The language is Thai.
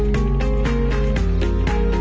กลับมาที่นี่